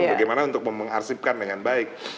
bagaimana untuk mengarsipkan dengan baik